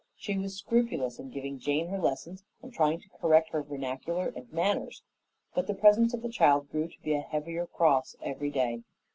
She was scrupulous in giving Jane her lessons and trying to correct her vernacular and manners, but the presence of the child grew to be a heavier cross every day.